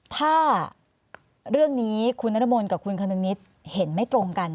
ถ้าเรื่องนี้คุณนรมนกับคุณคนึงนิดเห็นไม่ตรงกัน